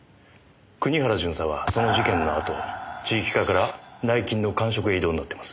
国原巡査はその事件のあと地域課から内勤の閑職へ異動になってます。